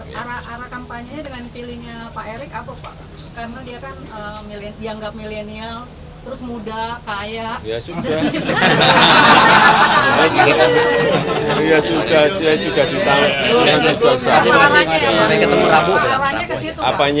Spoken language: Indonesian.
ara kampanye dengan pilihnya pak erick karena dia kan dianggap milenial terus muda kaya